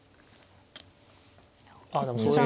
ああでもそういう。